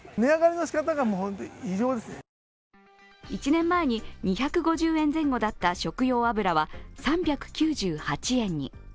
１年前に２５０円前後だった食用油は３９８円に。